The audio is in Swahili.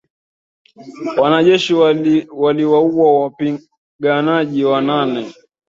Wanajeshi waliwaua wapiganaji wanane